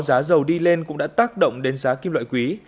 giá dầu đi lên cũng đã tác động đến giá kim loại quý